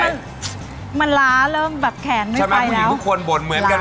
ยากตรงไหน